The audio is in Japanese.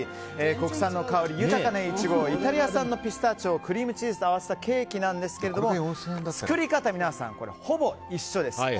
国産の香り豊かなイチゴとイタリア産のピスタチオをクリームチーズと合わせたケーキなんですが作り方、ほぼ一緒です。